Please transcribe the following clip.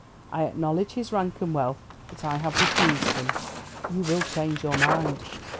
I acknowledge his rank and wealth. But I have refused him." "You will change your mind."